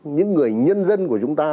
những người nhân dân của chúng ta